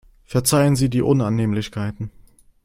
Verzeihen Sie die Unannehmlichkeiten.